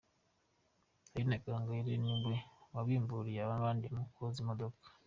Aline Gahongayire ni we wabimburiye abandi mu koza imodoka.